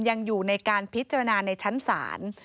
ยังอยู่ในการพิจารณาในชั้นศาล